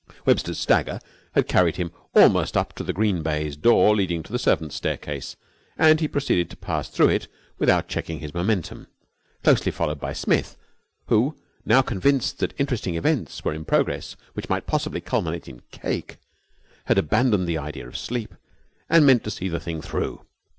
Webster's stagger had carried him almost up to the green baize door leading to the servants' staircase, and he proceeded to pass through it without checking his momentum, closely followed by Smith who, now convinced that interesting events were in progress which might possibly culminate in cake, had abandoned the idea of sleep and meant to see the thing through.